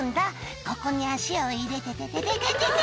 「ここに足を入れててててて！」